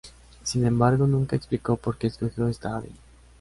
Sin embargo nunca explicó porque escogió esta ave.